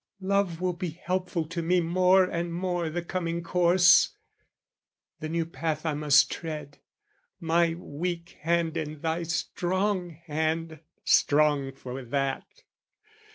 Love will be helpful to me more and more I' the coming course, the new path I must tread, My weak hand in thy strong hand, strong for that!